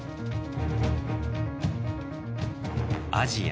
アジア